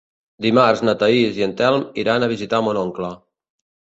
Dimarts na Thaís i en Telm iran a visitar mon oncle.